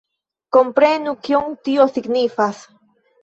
Komprenu, kion tio signifas!